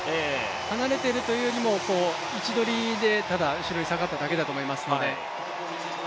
離れているというよりも位置取りでただ後ろに下がっているだけだと思いますので。